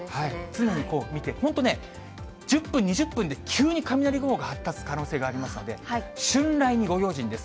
常に見て、本当ね、１０分、２０分で急に雷雲が発達する可能性がありますので、春雷にご用心です。